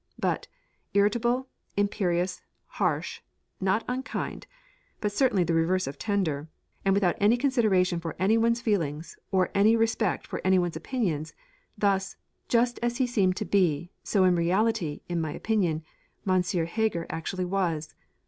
But, irritable, imperious, harsh, not unkind, but certainly the reverse of tender, and without any consideration for any one's feelings, or any respect for any one's opinions, thus, just as he seemed to be, so in reality, in my opinion, M. Heger actually was.